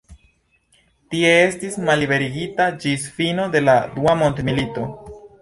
Tie estis malliberigita ĝis fino de la dua mondmilito.